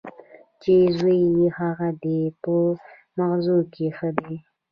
چې زوی یې هغه دی په مغزو کې ښه دی.